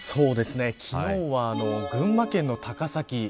昨日は群馬県の高崎